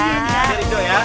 pak d rido ya